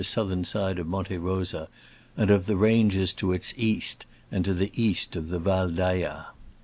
67 southern side of Monte Rosa, and of the ranges to its east and to the east of the Val d'Ayas.